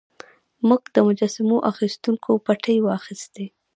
موږ د مجسمو اخیستونکو پتې واخیستې.